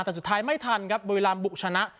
แต่สุดท้ายไม่ทันครับบุรีรามบุกชนะ